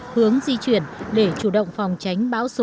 hướng di chuyển để chủ động phòng tránh bão số sáu